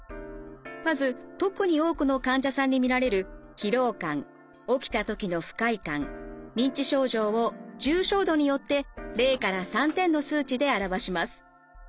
まず特に多くの患者さんに見られる疲労感起きた時の不快感認知症状を重症度によって０から３点の数値で表します。